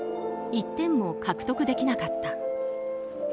１点も獲得できなかった。